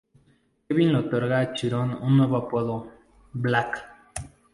Kevin le otorga a Chiron un nuevo apodo: "Black".